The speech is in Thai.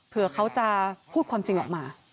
เผื่อเขาจะพูดความจริงออกมา